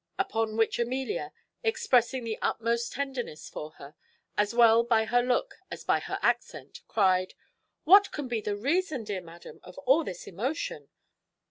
Upon which Amelia, expressing the utmost tenderness for her, as well by her look as by her accent, cried, "What can be the reason, dear madam, of all this emotion?"